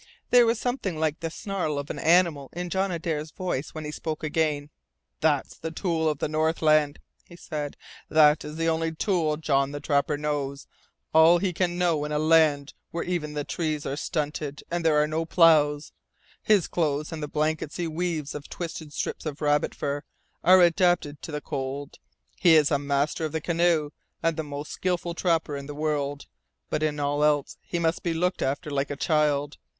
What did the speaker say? There was something like the snarl of an animal in John Adare's voice when he spoke again. "That's the tool of the Northland," he said. "That is the only tool John the Trapper knows, all he can know in a land where even trees are stunted and there are no plows. His clothes and the blankets he weaves of twisted strips of rabbit fur are adapted to the cold, he is a master of the canoe and the most skilful trapper in the world, but in all else he must be looked after like a child.